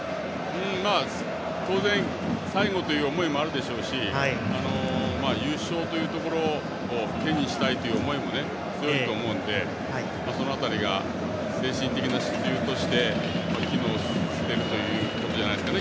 当然、最後という思いもあるでしょうし優勝というところを手にしたいという思いも強いと思うのでその辺りが精神的な支柱として機能しているということじゃないですかね